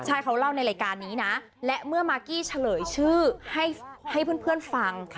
ใช่เขาเล่าในรายการนี้นะและเมื่อมากกี้เฉลยชื่อให้เพื่อนฟัง